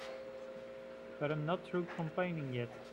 But I'm not through complaining yet.